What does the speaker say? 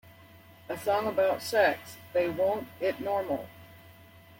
A song about sex - they won't it "normal".